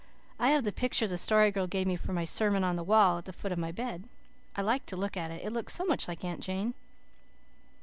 I have the picture the Story Girl gave me for my sermon on the wall at the foot of my bed. I like to look at it, it looks so much like Aunt Jane.